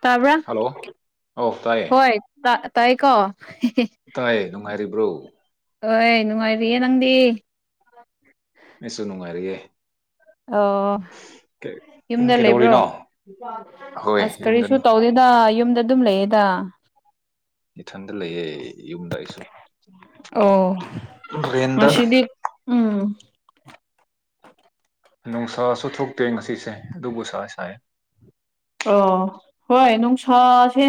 ꯇꯥꯕꯔ ꯍꯜꯂꯣ ꯑꯧ ꯇꯥꯏꯌꯦ ꯍꯣꯏ ꯇ ꯇꯥꯏ ꯀꯣ ꯇꯥꯏ ꯅꯨꯡꯉꯥꯏꯔꯤꯕ꯭ꯔꯣ ꯍꯣꯏ ꯅꯨꯡꯉꯥꯏꯔꯤꯌꯦ ꯅꯪꯗꯤ [inaudible] ꯑꯩꯁꯨ ꯅꯨꯡꯉꯥꯏꯔꯤꯌꯦ ꯑꯣ ꯀꯩ- ꯌꯨꯝꯗ ꯂꯩꯕ꯭ꯔꯣ ꯀꯩꯗꯧꯔꯤꯅꯣ ꯍꯣꯏ ꯑꯁ ꯀꯔꯤꯁꯨ ꯌꯨꯝꯗꯅꯤ ꯇꯧꯗꯦ ꯗ ꯌꯨꯝꯗ ꯑꯗꯨꯝ ꯂꯩꯌꯦꯗ ꯏꯊꯟꯗ ꯂꯩꯌꯦ ꯌꯨꯝꯗ ꯑꯩꯁꯨ ꯑꯣ ꯔꯦꯟꯗ ꯉꯁꯤꯗꯤ ꯎꯝ ꯅꯨꯡꯁꯥꯁꯨ ꯊꯣꯛꯇꯦ ꯉꯁꯤꯁꯦ ꯑꯗꯨꯕꯨ ꯁꯥꯏ ꯁꯥꯏ ꯑꯣ ꯍꯣꯏ ꯅꯨꯡꯁꯥꯁꯦ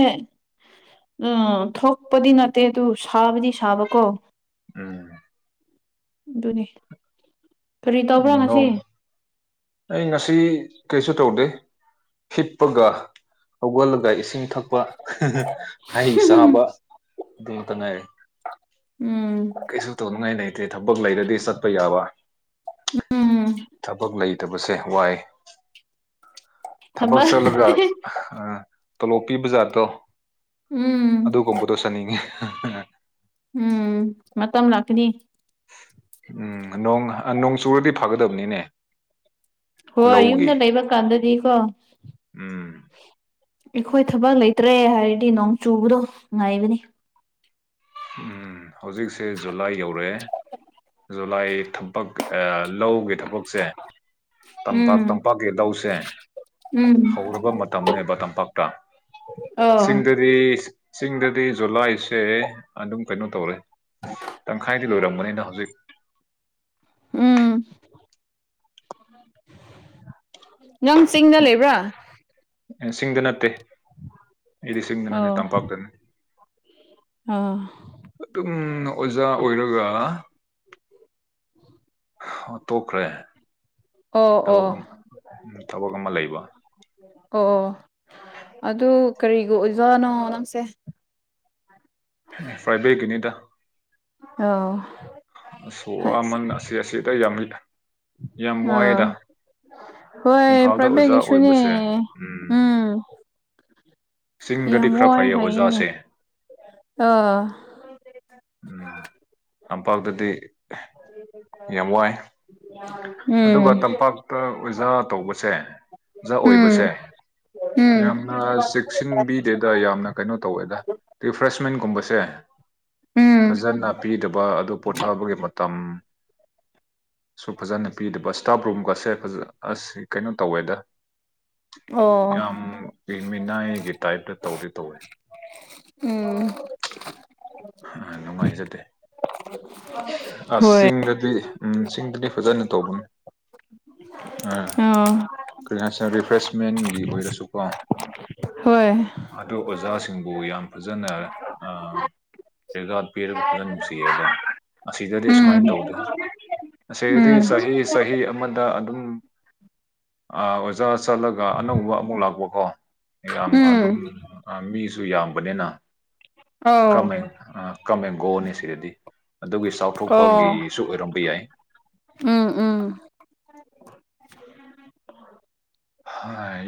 ꯎꯝ ꯊꯣꯛꯄꯗꯤ ꯅꯠꯇꯦ ꯑꯗꯨ ꯁꯥꯕꯗꯤ ꯁꯥꯕꯀꯣ ꯎꯝ ꯑꯗꯨꯅꯦ ꯀꯔꯤ ꯇꯧꯕ꯭ꯔꯥ ꯎꯝ ꯉꯁꯤ ꯅꯣꯡ ꯑꯩ ꯉꯁꯤ ꯀꯩꯁꯨ ꯇꯧꯗꯦ ꯍꯤꯞꯄꯒ ꯍꯧꯒꯠꯂꯒ ꯏꯁꯤꯡ ꯊꯛꯄ ꯍꯩ ꯎꯝ ꯆꯥꯕ ꯑꯗꯨꯇꯨꯅ‌ꯦ ꯀꯩꯁꯨ ꯇꯧꯅꯤꯡꯉꯥꯏ ꯂꯩꯇꯦ ꯊꯕꯛ ꯂꯩꯔꯗꯤ ꯆꯠꯄ ꯌꯥꯕ ꯎꯝ ꯊꯕꯛ ꯂꯩ ꯇꯕꯁꯦ ꯋꯥꯏ ꯊꯕꯛ ꯆꯠꯂꯒ ꯇꯣꯂꯣꯞ ꯄꯤꯕ ꯖꯥꯠꯗꯣ ꯎꯝ ꯑꯗꯨꯒꯨꯝꯕꯗꯣ ꯆꯠꯅꯤꯡꯉꯤ ꯎꯝ ꯃꯇꯝ ꯂꯥꯛꯀꯅꯤ ꯎꯝ ꯅꯣꯡ ꯅꯣꯡ ꯆꯨꯔꯗꯤ ꯐꯒꯗꯕꯅꯤꯅꯦ ꯍꯣꯏ ꯂꯧꯒꯤ ꯌꯨꯝꯗ ꯂꯩꯕ ꯀꯥꯟꯗꯗꯤꯀꯣ ꯎꯝ ꯑꯩꯈꯣꯏ ꯊꯕꯛ ꯂꯩꯇ꯭ꯔꯦ ꯍꯥꯏꯔꯗꯤ ꯅꯣꯡ ꯆꯨꯕꯗꯣ ꯉꯥꯏꯕꯅꯤ ꯍꯧꯖꯤꯛꯁꯦ ꯖꯨꯂꯥꯏ ꯌꯧꯔꯦ ꯖꯨꯂꯥꯏ ꯊꯕꯛ ꯂꯧꯒꯤ ꯊꯕꯛꯁꯦ ꯇꯝꯄꯥꯛ ꯎꯝ ꯇꯝꯄꯥꯛꯀꯤ ꯂꯧꯁꯦ ꯎꯝ ꯍꯧꯔꯕ ꯃꯇꯝꯅꯦꯕ ꯇꯝꯄꯥꯛꯇ ꯑꯣ ꯆꯤꯡꯗꯗꯤ ꯆꯤꯡꯗꯗꯤ ꯖꯨꯂꯥꯏꯁꯦ ꯑꯗꯨꯝ ꯀꯩꯅꯣ ꯇꯧꯔꯦ ꯇꯪꯈꯥꯏꯗꯤ ꯂꯣꯏꯔꯝꯕꯅꯤꯅ ꯍꯧꯖꯤꯛ ꯎꯝ ꯅꯪ ꯆꯤꯡꯗ ꯂꯩꯕ꯭ꯔꯥ ꯆꯤꯡꯗ ꯅꯠꯇꯦ ꯑꯩꯗꯤ ꯆꯤꯡꯗ ꯅꯠꯇꯦ ꯑꯣ ꯇꯝꯄꯥꯛꯇꯅꯤ ꯑꯥ ꯑꯗꯨꯝ ꯑꯣꯖꯥ ꯑꯣꯏꯔꯒ [inaudible] ꯇꯣꯛꯈ꯭ꯔꯦ ꯑꯣ ꯊꯕꯛ ꯑꯣ ꯑꯃ ꯊꯕꯛ ꯑꯃ ꯂꯩꯕ ꯑꯣ ꯑꯗꯨ ꯀꯔꯤꯒ ꯑꯣꯏꯖꯥꯅꯣ ꯅꯪꯁꯦ ꯐ꯭ꯔꯥꯏ ꯕꯦꯠꯀꯤꯅꯤꯗ [unintelligible] ꯑꯁꯨ ꯋꯥꯃꯟ ꯑꯁꯤ ꯑꯁꯤꯗ ꯌꯥꯝ ꯌꯥꯝ ꯑꯥ ꯋꯥꯏꯑꯦꯗ ꯍꯣꯏ ꯏꯝꯐꯥꯜꯗ ꯑꯣꯖꯥ ꯄ꯭ꯔꯥꯏꯚꯦꯠꯀꯤꯁꯨꯅꯦ ꯑꯣꯏꯕꯁꯦ ꯎꯝ ꯆꯤꯡꯗꯗꯤ ꯌꯥꯝ ꯈꯔ ꯋꯥꯏ ꯐꯩꯌꯦ ꯍꯥꯏꯅꯦ ꯑꯣꯖꯥꯁꯦ ꯑꯥ [unintelligible] ꯇꯝꯄꯥꯛꯇꯗꯤ ꯌꯥꯝ ꯋꯥꯏ ꯎꯝ ꯑꯗꯨꯒ ꯇꯝꯄꯥꯛ ꯍꯛꯇ ꯑꯣꯖꯥ ꯇꯧꯕꯁꯦ ꯑꯣꯖꯥ ꯎꯝ ꯑꯣꯏꯕꯁꯦ ꯎꯝ ꯌꯥꯝꯅ ꯆꯦꯛꯁꯤꯟꯕꯤꯗꯦꯗ ꯌꯥꯝꯅ ꯀꯩꯅꯣ ꯇꯧꯋꯦꯗ ꯔꯤꯐ꯭ꯔꯦꯁꯃꯦꯟꯒꯨꯝꯕꯁꯦ ꯎꯝ ꯐꯖꯅ ꯄꯤꯗꯕ ꯑꯗꯨ ꯄꯣꯊꯕꯒꯤ ꯃꯇꯝ ꯁꯨ ꯐꯖꯅ ꯄꯤꯗꯕ ꯏꯁꯇꯥꯐ ꯔꯨꯝꯒꯁꯦ ꯑꯁ ꯀꯩꯅꯣ ꯇꯧꯋꯦꯗ ꯑꯣ ꯌꯥꯝ ꯃꯤꯅꯥꯏꯒꯤ ꯇꯥꯏꯞꯇ ꯇꯧꯗꯤ ꯇꯧꯋꯦ ꯎꯝ ꯅꯨꯡꯉꯥꯏꯖꯗꯦ ꯑ ꯍꯣꯏ ꯆꯤꯡꯗꯗꯤ ꯎꯝ ꯆꯤꯡꯗꯗꯤ ꯐꯖꯅ ꯇꯧꯕꯅꯦ ꯑꯥ ꯀꯔꯤꯒꯤ ꯍꯥꯏꯅ ꯔꯤꯐ꯭ꯔꯦꯁꯃꯦꯟꯒꯤ ꯑꯣꯏꯔꯁꯨꯀꯣ ꯍꯣꯏ ꯑꯗꯣ ꯑꯣꯖꯥꯁꯤꯡꯕꯨ ꯌꯥꯝ ꯐꯖꯅ ꯄꯤꯔꯒ ꯐꯖꯅ ꯅꯨꯡꯁꯤꯌꯦꯕ ꯑꯁꯤꯗꯗꯤ ꯎꯝ ꯑꯁꯨꯃꯥꯏꯅ ꯇꯧꯗꯦ ꯑꯁꯤꯗꯤ ꯎꯝ ꯆꯍꯤ ꯆꯍꯤ ꯑꯃꯗ ꯑꯗꯨꯝ ꯆꯠꯂꯒ ꯑꯅꯧꯕ ꯑꯃꯨꯛ ꯂꯥꯛꯄꯀꯣ ꯌꯥꯝ ꯑꯗꯨꯝ ꯎꯝ ꯃꯤꯁꯨ ꯌꯥꯝꯕꯅꯤꯅ ꯑꯧ ꯀꯃꯦꯡ ꯀꯃꯦꯡ ꯒꯣꯅꯤ ꯁꯤꯗꯗꯤ ꯑꯗꯨꯒꯤ ꯑꯣ ꯆꯥꯎꯊꯣꯛꯄꯒꯤꯁꯨ ꯑꯣꯏꯔꯝꯕ ꯌꯥꯏ ꯎꯝ ꯎꯝ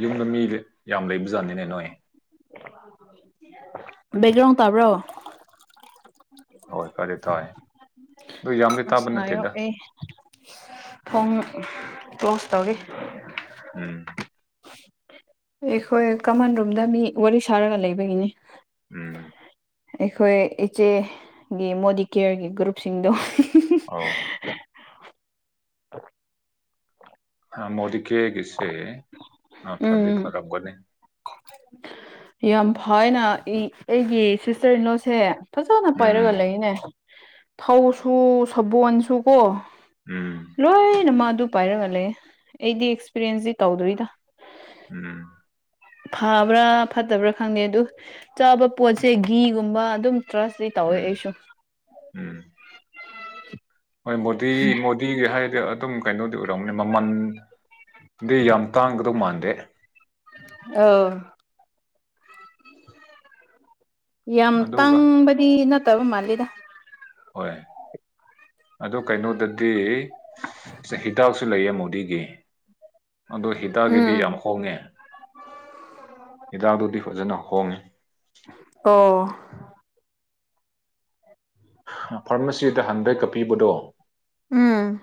ꯌꯨꯝꯗ ꯃꯤ ꯌꯥꯝ ꯂꯩꯕ ꯖꯥꯠꯅꯤꯅꯦ ꯅꯣꯏ ꯕꯦꯛꯒ꯭ꯔꯥꯎꯟ ꯇꯥꯕ꯭ꯔꯣ ꯍꯣꯏ ꯈꯔꯗꯤ ꯇꯥꯏ ꯑꯗꯨ ꯌꯥꯝꯗꯤ ꯇꯥꯕ ꯅꯥꯏꯌꯣ ꯅꯠꯇꯦꯗ ꯑꯩ ꯊꯣꯡ ꯀ꯭ꯂꯣꯁ ꯇꯧꯔꯤ ꯎꯝ ꯑꯩꯈꯣꯏ ꯀꯃꯟ ꯔꯨꯝꯗ ꯃꯤ ꯋꯥꯔꯤ ꯁꯥꯔꯒ ꯂꯩꯕꯒꯤꯅꯤ ꯎꯝ ꯑꯩꯈꯣꯏ ꯏꯆꯦꯒꯤ ꯃꯣꯗꯤ ꯀꯦꯌꯔꯒꯤ ꯒ꯭ꯔꯨꯞꯁꯤꯡꯗꯣ ꯑꯣ [unintelligible] ꯃꯣꯗꯤꯀꯦꯒꯤꯁꯦ ꯐꯗꯤ ꯎꯝ ꯐꯔꯝꯒꯅꯤ ꯌꯥꯝ ꯐꯥꯏꯅ ꯑꯩꯒꯤ ꯁꯤꯁꯇꯔ ꯏꯟꯅꯣꯁꯦ ꯐꯖꯅ ꯎꯝ ꯄꯥꯏꯔꯒ ꯂꯩꯅꯦ ꯊꯧꯁꯨ ꯁꯕꯣꯟꯁꯨ ꯀꯣ ꯎꯝ ꯂꯣꯏꯅ ꯃꯥ ꯑꯗꯨ ꯄꯥꯏꯔꯒ ꯂꯩ ꯑꯩꯗꯤ ꯑꯦꯛꯁꯄꯤꯔꯦꯟꯁꯇ ꯇꯧꯗꯣꯏꯗ ꯎꯝ ꯐꯥꯕ꯭ꯔꯥ ꯐꯠꯇꯕ꯭ꯔꯥ ꯈꯪꯗꯦ ꯑꯗꯨ ꯆꯥꯕ ꯄꯣꯠꯁꯦ ꯘꯤꯒꯨꯝꯕ ꯑꯗꯨꯝ ꯇ꯭ꯔꯁ ꯇ ꯑꯣꯏ ꯎꯝ ꯑꯩꯁꯨ ꯎꯝ ꯍꯣꯏ ꯃꯣꯗꯤ ꯃꫭ ꯀꯤꯒꯦ ꯍꯥꯏꯗꯤ ꯑꯗꯨꯝ ꯀꯩꯅꯣꯗꯤ ꯑꯣꯏꯔꯝꯒꯅꯤ ꯃꯃꯟꯗꯤ ꯌꯥꯝ ꯇꯥꯡꯒꯗꯧ ꯃꯥꯟꯗꯦ ꯑꯣ ꯌꯥꯝ ꯑꯗꯨꯒ ꯇꯥꯡꯕꯗꯤ ꯅꯠꯇꯕ ꯃꯥꯜꯂꯤꯗ ꯍꯣꯏ ꯑꯗꯨ ꯀꯩꯅꯣꯗꯗꯤ ꯆꯍꯤꯗꯥꯛꯁꯨ ꯂꯩꯌꯦ ꯃꯣꯗꯤꯒꯤ ꯑꯗꯣ ꯍꯤꯗꯥꯛꯒꯤꯗꯤ ꯎꯝ ꯌꯥꯝ ꯍꯣꯡꯉꯦ ꯍꯤꯗꯥꯛꯗꯨꯗꯤ ꯐꯖꯅ ꯍꯣꯡꯉꯦ ꯑꯣ ꯐꯥꯔꯃꯥꯁꯤꯗ ꯍꯟꯗ꯭ꯔꯦꯛꯀ ꯄꯤꯕꯗꯣ ꯎꯝ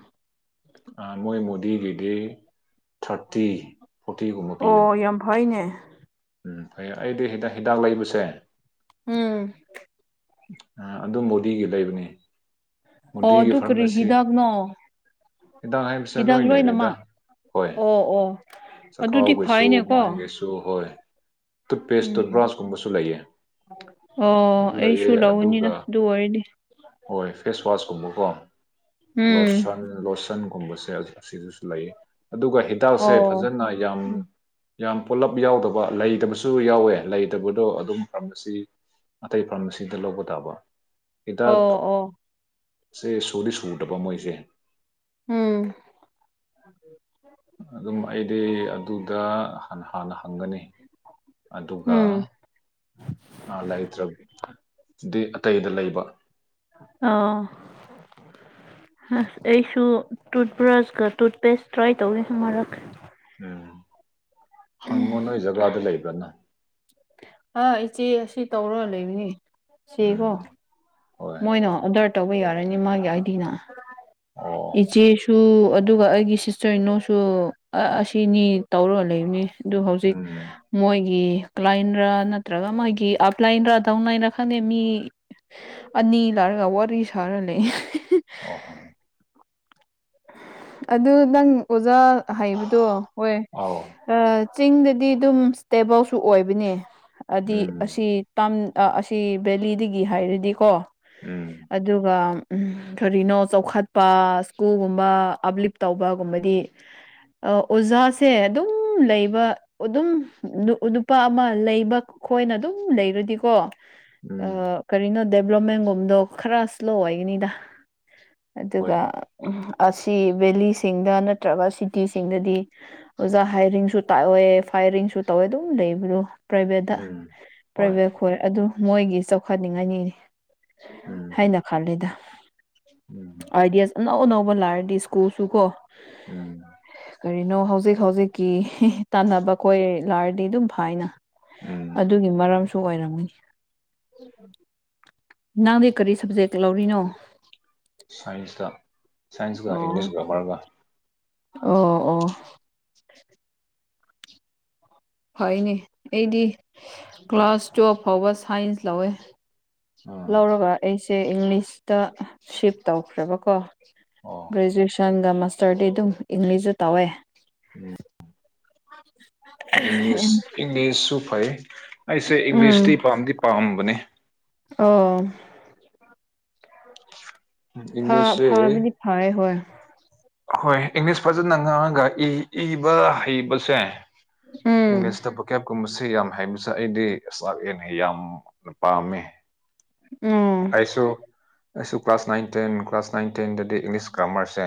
ꯑꯥ ꯃꯣꯏ ꯃꯣꯗꯤꯒꯤꯗꯤ ꯊꯥꯔꯇꯤ ꯐꯣꯔꯇꯤꯒꯨꯝꯕ ꯑꯣ ꯄꯤꯕꯅꯤ ꯌꯥꯝ ꯐꯩꯅꯦ ꯎꯝ ꯐꯩꯌ‌ꯦ ꯑꯩꯗꯤ ꯍꯤꯗꯥꯛ ꯍꯤꯗꯥꯛ ꯂꯩꯕꯁꯦ ꯎꯝ ꯑꯗꯨ ꯃꯣꯗꯤꯒꯤ ꯂꯩꯕꯅꯤ ꯑꯣ ꯃꯣꯗꯤꯒꯤ ꯑꯗꯨ ꯀꯔꯤ ꯐꯥꯔꯃꯥꯁꯤ ꯍꯤꯗꯥꯛꯅꯣ ꯍꯤꯗꯥꯛ ꯍꯥꯏꯕꯁꯦ ꯍꯤꯗꯥꯛ ꯂꯣꯏ ꯂꯩꯔꯦꯗ ꯂꯣꯏꯅꯃꯛ ꯍꯣꯏ ꯑꯣ ꯑꯣ ꯑꯗꯨꯗꯤ ꯆꯈꯥꯎꯈꯩꯁꯨ ꯐꯩꯅꯦꯀꯣ ꯃꯥꯏꯒꯤꯁꯨ ꯍꯣꯏ ꯇꯨꯠꯄꯦꯁꯇ ꯎꯝ ꯕ꯭ꯔꯥꯁꯀꯨꯝꯕꯁꯨ ꯂꯩꯌꯦ ꯑꯣ ꯑꯗꯨ ꯑꯩꯁꯨ ꯂꯩꯌꯦ ꯂꯧꯅꯤꯅꯗ ꯑꯗꯨꯒ ꯑꯗꯨ ꯑꯣꯏꯔꯗꯤ ꯍꯣꯏ ꯐꯦꯁꯋꯥꯁꯀꯨꯝꯕꯀꯣ ꯎꯝ ꯂꯣꯁꯟ ꯂꯣꯁꯟꯒꯨꯝꯕꯁꯦ ꯑꯁꯤꯗꯁꯨ ꯂꯩꯌ‌ꯦ ꯑꯗꯨꯒ ꯍꯤꯗꯥꯛꯁꯦ ꯑꯣ ꯐꯖꯅ ꯌꯥꯝ ꯌꯥꯝ ꯄꯨꯂꯞ ꯌꯥꯎꯗꯕ ꯂꯩꯇꯕꯁꯨ ꯌꯥꯎꯋꯦ ꯂꯩꯇꯕꯗꯣ ꯑꯗꯨꯝ ꯀꯝꯐꯜꯁꫪꯤ ꯑꯇꯩ ꯐꯥꯔꯃꯁꯤ ꯁꯤꯗ ꯂꯧꯕ ꯇꯥꯕ ꯍꯤꯗꯥꯛ ꯑꯣ ꯑꯣ ꯁꯦ ꯁꯨꯗꯤ ꯁꯨꯗꯕ ꯃꯣꯏꯁꯦ ꯎꯝ ꯑꯗꯨꯝ ꯑꯩꯗꯤ ꯑꯗꯨꯗ ꯍꯥꯟꯅ ꯍꯪꯒꯅꯤ ꯑꯗꯨꯒ ꯎꯝ ꯂꯩꯇ꯭ꯔꯗꯤ ꯑꯇꯩꯗ ꯂꯩꯕ ꯑꫭ ꯑꯁ ꯑꯩꯁꯨ ꯇꯨꯠꯕ꯭ꯔꯁꯀ ꯇꯨꯠꯄꯦꯁ ꯇ꯭ꯔꯥꯏ ꯇꯧꯋ‌ꯦ ꯑꯃꯨꯔꯛ ꯎꯝ ꯍꯪꯉꯣ ꯅꯣꯏ ꯖꯒꯥꯗ ꯂꯩꯕ꯭ꯔꯅ ꯑ ꯏꯆꯦ ꯑꯁꯤ ꯇꯧꯔ ꯂꯩꯕꯅꯤ ꯆꯦꯀꯣ ꯎꯝ ꯍꯣꯏ ꯃꯣꯏꯅ ꯑꯣꯗꯔ ꯇꯧꯕ ꯌꯥꯔꯅꯤ ꯃꯥꯒꯤ ꯑꯥꯏꯗꯤꯅ ꯑꯣ ꯏꯆꯦꯁꯨ ꯑꯗꯨꯒ ꯑꯩꯒꯤ ꯁꯤꯁꯇꯔ ꯏꯟꯅꯣꯁꯨ ꯑꯁꯤꯅꯤ ꯇꯧꯔꯒ ꯂꯩꯕꯅꯤ ꯑꯗꯨ ꯍꯧꯖꯤꯛ ꯎꯝ ꯃꯣꯏꯒꯤ ꯀ꯭ꯂꯥꯏꯟꯔꯥ ꯅꯠꯇ꯭ꯔꯒ ꯃꯣꯏꯒꯤ ꯑꯞꯂꯥꯏꯟꯔ ꯗꯥꯎꯂꯥꯏꯟꯔ ꯈꯪꯗꯦ ꯃꯤ ꯑꯅꯤ ꯂꯥꯛꯑꯒ ꯋꯥꯔꯤ ꯁꯥꯔ ꯂꯩ ꯑꯣ ꯍꯣ ꯑꯗꯨ ꯅꯪ ꯑꯣꯖꯥ ꯍꯥꯏꯕꯗꯣ ꯍꯣꯏ ꯑꯥꯎ ꯑꯥ ꯆꯤꯡꯗꯗꯤ ꯑꯗꯨꯝ ꯏꯁꯇꯦꯕꯜꯁꯨ ꯑꯣꯏꯕꯅꯦ ꯑꯗꯤ ꯑꯁꯤ ꯎꯝ ꯇꯝ ꯑꯁꯤ ꯕꯦꯂꯤꯗꯒꯤ ꯍꯥꯏꯔꯗꯤꯀꯣ ꯎꯝ ꯑꯗꯨꯒ ꯎꯝ ꯀꯔꯤꯅꯣ ꯆꯥꯎꯈꯠꯄ ꯏꯁꯀꯨꯜꯒꯨꯝꯕ ꯑꯞꯂꯤꯞ ꯇꯧꯕꯒꯨꯝꯕꯗꯤ ꯑꯥ ꯑꯣꯖꯥꯁꯦ ꯑꯗꯨꯝ ꯂꯩꯕ ꯑꯗꯨꯝ ꯅꯨꯄꯥ ꯑꯃ ꯂꯩꯕ ꯈꯣꯏꯅ ꯑꯗꯨꯝ ꯂꯩꯔꯗꯤꯀꯣ ꯎꯝ ꯑꯥ ꯀꯔꯤꯅꯣ ꯗꯦꯕꯂꯞꯃꯦꯟꯒꯨꯝꯕꯗꯣ ꯈꯔ ꯏꯁ꯭ꯂꯣ ꯑꯣꯏꯒꯅꯤꯗ ꯍꯣꯏ ꯑꯗꯨꯒ ꯑꯁꯤ ꯚꯦꯂꯤꯁꯤꯡꯗ ꯅꯠꯇ꯭ꯔꯒ ꯁꯤꯇꯤꯁꯤꯡꯗꯗꯤ ꯑꯣꯖꯥ ꯍꯥꯏꯔꯤꯡꯁꯨ ꯇꯥꯛꯑꯦ ꯐꯥꯏꯔꯤꯡꯁꯨ ꯇꯧꯋꯦ ꯑꯗꯨꯝ ꯂꯩꯕ꯭ꯔꫭ ꯄ꯭ꯔꯥꯏꯚꯦꯠꯇ ꯎꯝ ꯍꯣꯏ ꯄ꯭ꯔꯥꯏꯚꯦꯠ ꯈꯣꯏ ꯑꯗꯨ ꯃꯣꯏꯒꯤ ꯆꯥꯎꯈꯠꯅꯤꯡꯉꯥꯏꯅꯤꯅ‌ꯦ ꯎꯝ ꯑꯩꯅ ꯈꯜꯂꯦꯗ ꯎꯝ ꯑꯥꯏꯗꯤꯌꯥꯍꯁ ꯑꯅꯧ ꯑꯅꯧꯕ ꯂꯥꯛꯔꯗꯤ ꯏꯁ꯭ꯀꯨꯜꯁꯨꯀꯣ ꯎꯝ ꯀꯔꯤꯅꯣ ꯍꯧꯖꯤꯛ ꯍꯧꯖꯤꯛꯀꯤ ꯇꯥꯟꯅꯕ ꯈꯣꯏ ꯂꯥꯔꯗꯤ ꯑꯗꯨꯝ ꯐꯅ ꯎꯝ ꯑꯗꯨꯒꯤ ꯃꯔꯝꯁꯨ ꯑꯣꯏꯔꯝꯅꯤ ꯅꯪꯗꯤ ꯀꯔꯤ ꯁꯕꯖꯦꯛ ꯂꯧꯔꯤꯅꯣ ꯁꯥꯏꯟꯁꯇ ꯁꯥꯏꯟꯁꯒ ꯑꯣ ꯏꯪꯂꯤꯁ ꯕ꯭ꯔꯦꯃꯔꯒ ꯑꯣ ꯑꯣ ꯐꯩꯅꯤ ꯑꯩꯗꯤ ꯀ꯭ꯂꯥꯁ ꯇꯨꯌꯦꯦꯜꯐ ꯐꯥꯎꯕ ꯁꯥꯏꯟꯁ ꯂꯧꯋꯦ ꯎꯝ ꯂꯧꯔꯒ ꯑꯩꯁꯦ ꯏꯪꯂꯤꯁꯇ ꯁꯤꯞ ꯇꯧꯈ꯭ꯔꯦꯕꯀꯣ ꯑꯣ ꯒ꯭ꯔꯦꯖꯨꯑꯦꯁꯟꯒ ꯃꯥꯁꯇꯔꯗꯤ ꯑꯗꯨꯝ ꯏꯪꯂꯤꯁꯇ ꯇꯧꯋꯦ ꯎꯝ ꯑ ꯏꯪꯂꯤꯁ ꯏꯪꯂꯤꯁꯁꯨ ꯐꯩ ꯑꯩꯁꯦ ꯎꯝ ꯏꯪꯂꯤꯁꯇꯤ ꯄꯥꯝꯗꯤ ꯄꯥꯝꯕꯅꯦ ꯑꯣ ꯥ ꯏꯪꯂꯤꯁꯁꯦ ꯐꯥꯕꯗꯤ ꯐꯌꯦ ꯍꯣꯏ ꯍꯣꯏ ꯏꯪꯂꯤꯁ ꯐꯖꯅ ꯉꯥꯡꯉꯒ ꯏ ꯏꯕ ꯍꯩꯕꯁꯦ ꯎꯝ ꯏꯪꯂꯤꯁꯇ ꯀꯦꯞ ꯀꯨꯝꯕꯕꯁꯤꯦ ꯌꯥꯝ ꯍꯥꯏꯕꯁꯦ ꯑꯩꯗꯤ ꯑꯦꯂꯥꯔ ꯑꯦꯟ ꯌꯥꯝꯅ ꯄꯥꯝꯃꯤ ꯑꯣ ꯑꯩꯁꯨ ꯑꯩꯁꯨ class nine ten class nine ꯇꯦꯟꯗꯗꯤ ꯏꯪꯂꯤꯁ ꯀꯥꯃꯔꯁꯦ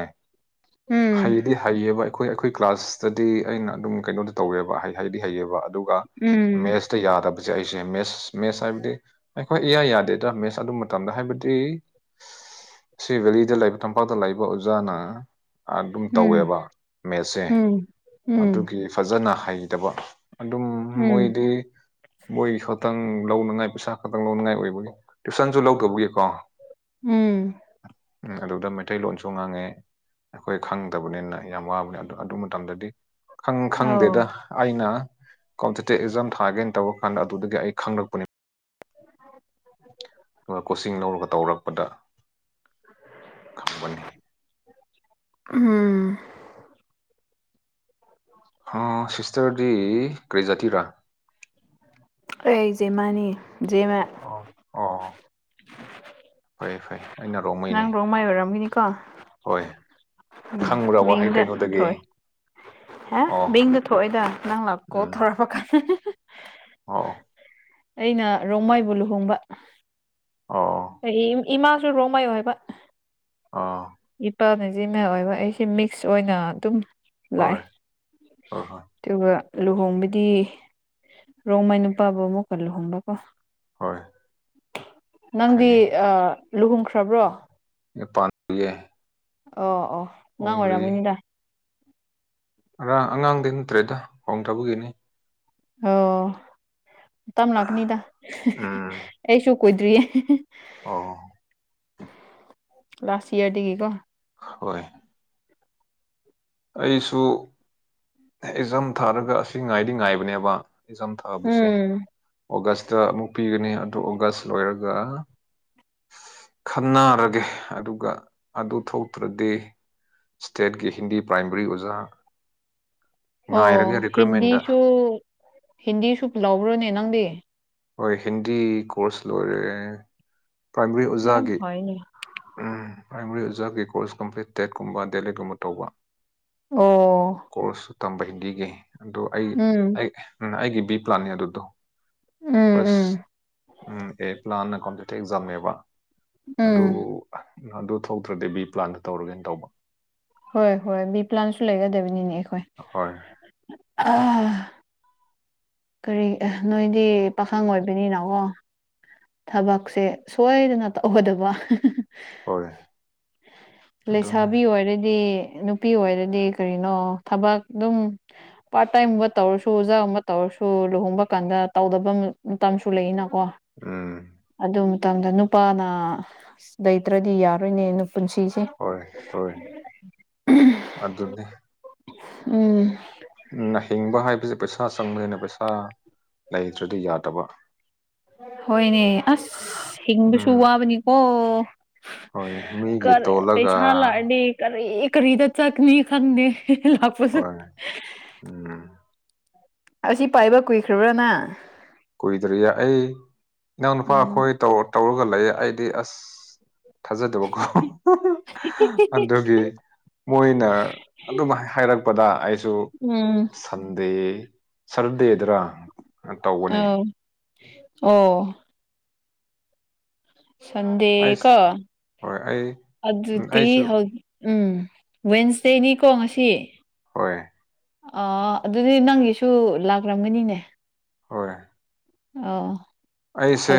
ꯎꯝ ꯍꯩꯗꯤ ꯍꯩꯌꯦꯕ ꯑꯩꯈꯣꯏ ꯑꯩꯈꯣꯏ ꯀ꯭ꯂꯥꯁꯇꯗꯤ ꯑꯩꯅ ꯑꯗꯨꯝ ꯀꯩꯅꯣꯗ ꯇꯧꯋꯦꯕ ꯍꯩꯗꯤ ꯍꯩꯌꯦꯕ ꯑꯗꯨꯒ ꯎꯝ ꯃꯦꯠꯁ ꯌꯥꯗꯕꯁꯦ ꯑꯩꯁꯦ ꯃꯦꯁ ꯃꯦꯁ ꯍꯥꯏꯕꯗꯤ ꯍꯣꯏ ꯏꯌꯥ ꯌꯥꯗꯦꯗꯥ ꯃꯦꯁ ꯑꯗꯨ ꯃꯇꯝꯗ ꯍꯥꯏꯕꯗꯤ ꯁꯤ ꯕꯦꯂꯤꯗ ꯂꯩꯕ ꯇꯝꯄꯥꯛꯇ ꯂꯩꯕ ꯑꯣꯖꯥꯅ ꯑꯗꯨꯝ ꯎꯝ ꯇꯧꯋꯦꯕ ꯃꯦꯠꯁꯦ ꯎꯝ ꯎꯝ ꯑꯗꯨꯒꯤ ꯐꯖꯅ ꯍꯩꯗꯕ ꯑꯗꯨꯝ ꯎꯝ ꯃꯣꯏꯗꯤ ꯃꯣꯏ ꯈꯛꯇꯪ ꯂꯧꯅꯉꯥꯏ ꯄꯩꯁꯥ ꯈꯛꯇꯪ ꯂꯧꯅꯉꯥꯏ ꯑꯣꯏꯕꯒꯤ ꯇꯨꯏꯁꯟꯁꯨ ꯂꯧꯗꯕꯒꯤꯀꯣ ꯎꯝ ꯎꯝ ꯑꯗꯨꯗ ꯃꯩꯇꯩꯂꯣꯟꯁꯨ ꯉꯥꯡꯉꯦ ꯑꯩꯈꯣꯏ ꯈꯪꯗꯕꯅꯤꯅ ꯌꯥꯝ ꯋꯥꯕꯅꯤ ꯑꯗꯨ ꯑꯗꯨ ꯃꯇꯝꯗꯗꯤ ꯈꯪ ꯑꯧ ꯈꯪꯗꯦꯗ ꯑꯩꯅ ꯀꯝꯇꯤꯇꯦ ꯏꯖꯝ ꯊꯥꯒꯦꯅ ꯇꯧꯔ ꯀꯥꯟꯗ ꯑꯗꯨꯗꯒꯤ ꯑꯩ ꯈꯪꯂꯛꯄꯅꯤ [inaudible] ꯑꯗꯨꯒ ꯀꯣꯆꯤꯡ ꯂꯧꯔꯒ ꯇꯧꯔꯛꯄꯗ ꯈꯪꯕꯅꯤ ꯎꯝ ꯁꯤꯁꯇꯔꯗꯤ ꯀ꯭ꯔꯔꯤꯖꯥꯇꯤꯔꯥ ꯑꯩ ꯖꯦꯃꯥꯅꯤ ꯖꯦꯃ ꯑꯣ ꯑꯣ ꯐꯩ ꯐꯩ ꯑꯩꯅ ꯔꯣꯡꯃꯩꯅꯦ ꯅꯪ ꯔꯣꯡꯃꯩ ꯑꯣꯏꯔꯝꯒꯅꯤꯀꯣ ꯍꯣꯏ ꯎꯝ ꯈꯪꯕ꯭ꯔꯥ ꯋꯥꯍꯩ ꯃꯤꯡꯗ ꯀꯩꯅꯣꯗꯒꯤ ꯊꯣꯏ ꯑꯦ ꯑꯣ ꯕꯤꯡꯗ ꯊꯣꯛꯑꯦꯗ ꯅꯪ ꯂꯥꯛꯀꯣ ꯎꯝ ꯊꯧꯔꯛꯄ ꯀꯥꯟꯗ ꯑꯣ ꯑꯩꯅ ꯔꯣꯡꯃꯥꯏꯕꯨ ꯂꯨꯍꯣꯡꯕ ꯑꯣ ꯏꯃꯥꯁꯨ ꯔꯣꯃꯥꯏꯌꯣ ꯍꯥꯏꯕ ꯑꯥ ꯏꯄꯥꯅ ꯖꯦꯃꯦ ꯑꯣꯏꯕ ꯑꯩꯁꯦ ꯃꯤꯛꯁ ꯑꯣꯏꯅ ꯑꯗꯨꯝ ꯂꯥꯑꯦ ꯍꯣꯏ ꯍꯣꯏ ꯍꯣꯏ ꯇꯨꯒ ꯂꯨꯍꯣꯡꯕꯗꯤ ꯔꯣꯡꯃꯥꯏ ꯅꯨꯄꯥꯕꯨ ꯑꯃꯨꯛꯀ ꯂꯨꯍꯣꯡꯕꯀꯣ ꯍꯣꯏ ꯅꯪꯗꯤ ꯐꯩꯌꯦ ꯂꯨꯍꯣꯡꯈ꯭ꯔꯕ꯭ꯔꯣ ꯅꯦꯄꯥꯟ [unintelligible] ꯑꯣ ꯑꯣ ꯅꯪ ꯑꯣꯏꯔꯝꯅꯤꯗ ꯑꯔꯥꯡ ꯑꯉꯥꯡꯗꯤ ꯅꯠꯇ꯭ꯔꯦꯗ ꯍꯣꯡꯗꯕꯒꯤꯅꯤ ꯑꯣ ꯇꯞ ꯂꯥꯛꯀꯅꯤꯗ ꯎꯝ ꯑꯩꯁꯨ ꯀꯨꯏꯗ꯭ꯔꯤꯌꯦ ꯑꯣ ꯂꯥꯁ ꯏꯌꯥꯔꯗꯒꯤꯀꯣ ꯍꯣꯏ ꯑꯩꯁꯨ ꯑꯦꯛꯖꯥꯝ ꯊꯥꯔꯒ ꯑꯁꯤ ꯉꯥꯏꯗꯤ ꯉꯥꯏꯕꯅꯦꯕ ꯑꯦꯛꯖꯥꯝ ꯊꯥꯕꯨꯁꯦ ꯎꯝ ꯑꯣꯒꯁꯇ ꯑꯃꯨꯛ ꯄꯤꯒꯅꯤ ꯑꯗꯨ ꯑꯣꯒꯁ ꯂꯣꯏꯔꯒ ꯈꯟꯅꯔꯒꯦ ꯑꯗꯨꯒ ꯑꯗꯨ ꯊꯣꯛꯇ꯭ꯔꯗꯤ ꯁ꯭ꯇꯦꯠꯀꯤ ꯍꯤꯟꯗꯤ ꯄ꯭ꯔꯥꯏꯃꯔꯤ ꯑꯣꯖꯥ ꯑꯣ ꯉꯥꯏꯔꯒꯦ ꯔꯤꯀ꯭ꯔꯨꯏꯠꯃꯦꯟꯗ ꯍꯤꯟꯗꯤꯁꯨ ꯍꯤꯟꯗꯤꯁꯨ ꯂꯕ꯭ꯔꯣꯅꯦ ꯅꯪꯗꯤ ꯍꯣꯏ ꯍꯤꯟꯗꯤ ꯀꯣꯔꯁ ꯂꯣꯏꯔꯦ ꯄ꯭ꯔꯥꯏꯃꯔꯤ ꯌꯥꯝ ꯑꯣꯖꯥꯒꯤ ꯐꯩꯅꯦ ꯄ꯭ꯔꯥꯏꯃꯥꯔꯤ ꯑꯣꯖꯥꯕꯀꯤ ꯀꯣꯔꯁ ꯀꯝꯄ꯭ꯂꯤꯠ ꯇꯦꯠꯀꯨꯝꯕ ꯗꯦꯜꯂꯤꯒꯨꯝꯕ ꯇꯧꯕ ꯑꯣ ꯀꯣꯔꯁꯁꯨ ꯇꯝꯕ ꯍꯤꯟꯗꯤꯒꯤ ꯑꯗꯨ ꯑꯩ ꯎꯝ ꯑꯩꯒꯤ ꯕꯤ ꯄ꯭ꯂꯥꯟꯅꯦ ꯑꯗꯨꯗꯣ ꯎꯝ ꯐꯔꯁ ꯎꯝ ꯑꯩꯠ ꯂꯥꯟꯅ ꯀꯝꯄ꯭ꯂꯤꯇꯤꯞ ꯑꯦꯛꯖꯥꯝꯅꯦꯕ ꯑꯗꯨ ꯎꯝ ꯑꯗꯨ ꯊꯣꯛꯇ꯭ꯔꯗꯤ ꯕꯤ ꯄ꯭ꯂꯥꯟꯗ ꯇꯧꯔꯒꯦꯅ ꯇꯧꯕ ꯍꯣꯏ ꯍꯣꯏ ꯕꯤ ꯄ꯭ꯂꯥꯟꯁꯨ ꯂꯩꯒꯗꯕꯅꯤꯅꯦ ꯑꯩꯈꯣꯏ ꯍꯣꯏ ꯑ ꯀꯔꯤ ꯅꯣꯏꯗꯤ ꯄꯥꯈꯪ ꯑꯣꯏꯕꯅꯤꯅꯀꯣ ꯊꯕꯛꯁꯦ ꯁꯣꯏꯗꯅ ꯇꯧꯒꯗꯕ ꯍꯣꯏ ꯑꯗꯨꯅꯦ ꯂꯩꯁꯥꯕꯤ ꯑꯣꯏꯔꯗꯤ ꯅꯨꯄꯤ ꯑꯣꯏꯔꯗꯤ ꯀꯔꯤꯅꯣ ꯊꯕꯛ ꯑꯗꯨꯝ ꯄꯥꯔꯠ ꯇꯥꯏꯝꯒꯨꯝꯕ ꯇꯧꯔꯁꯨ ꯑꯣꯖꯥꯒꯨꯝꯕ ꯇꯧꯔꯁꯨ ꯁꯨ ꯂꯨꯍꯣꯡꯕ ꯀꯥꯟꯗ ꯇꯧꯗꯕ ꯃꯇꯝꯁꯨ ꯂꯩꯅꯀꯣ ꯎꯝ ꯑꯗꯨ ꯃꯇꯝꯗ ꯅꯨꯄꯥꯅ ꯂꯩꯇ꯭ꯔꯗꯤ ꯌꯥꯔꯣꯏꯅꯦꯅ ꯄꯨꯟꯁꯤ ꯍꯣꯏ ꯍꯣꯏ ꯑꯗꯨꯅꯦ ꯎꯝ ꯎ ꯍꯤꯡꯕ ꯍꯥꯏꯕꯁꯦ ꯄꯩꯁꯥ ꯆꯪꯗꯅ ꯄꯩꯁꯥ ꯂꯩꯗ꯭ꯔꯗꯤ ꯌꯥꯗꯕ ꯍꯣꯏꯅꯦ ꯑꯁ ꯍꯤꯡꯕꯁꯨ ꯎꯝ ꯋꯥꯕꯅꯤꯀꯣ ꯍꯣꯏ ꯃꯤꯒꯤ ꯀꯔ ꯇꯣꯜꯂꯒ ꯄꯩꯁꯥ ꯂꯗꯤ ꯀꯔꯤ ꯀꯔꯤꯗ ꯆꯀꯅꯤ ꯈꯪꯗꯦ ꯂꯥꯛꯄꯁꯨ ꯍꯣꯏ ꯎꯝ ꯑꯁꯤ ꯄꯥꯏꯕ ꯀꯨꯏꯈ꯭ꯔꯕ꯭ꯔꯅ ꯀꯨꯏꯗ꯭ꯔꯤꯌꯦ ꯑꯩ ꯏꯅꯥꯎ ꯅꯨꯨꯄꯥ ꯎꯝ ꯑꯩꯈꯣꯏꯧ ꯇꯧꯔꯒ ꯂꯩꯌꯦ ꯑꯩꯗꯤ ꯑꯁ ꯊꯥꯖꯗꯕꯀꯣ ꯑꯗꯨꯒꯤ ꯃꯣꯏꯅ ꯑꯗꯨꯝ ꯍꯥꯏꯔꯛꯄꯗ ꯑꯩꯁꯨ ꯎꯝ ꯁꯟꯗꯦ ꯁꯔꯗꯦꯗꯨꯔꯥ ꯑ ꯑꯣ ꯑꯩꯁ ꯁꯟꯗꯦꯀꫭ ꯍꯣꯏ ꯑꯩ ꯎꯝ, ꯑꯗꯨꯗꯤ ꯑꯩꯁꯨ ꯍꯧ ꯎꯝ ꯋꯦꯟꯁꯗꯦꯅꯤꯀꯣ ꯉꯁꯤ ꯍꯣꯏ ꯑꯗꯨꯗꯤ ꯅꯪꯒꯤꯁꯨ ꯂꯥꯛꯂꯝꯝꯒꯅꯤꯅꯦ ꯍꯣꯏ ꯑꯣ ꯑꯩꯁꯦ